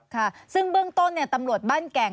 ค่ะซึ่งเบื้องต้นตำรวจบ้านแก่ง